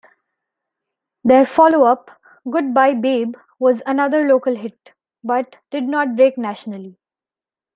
Their followup, "Goodbye Babe", was another local hit, but did not break nationally.